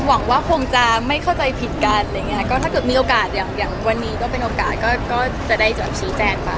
หวังว่าคงจะไม่เข้าใจผิดกันอะไรอย่างเงี้ยก็ถ้าเกิดมีโอกาสอย่างอย่างวันนี้ก็เป็นโอกาสก็จะได้แบบชี้แจงไป